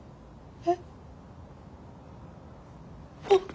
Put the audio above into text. えっ